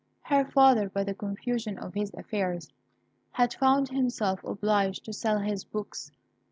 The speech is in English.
Her father, by the confusion of his affairs, had found himself obliged to sell his books.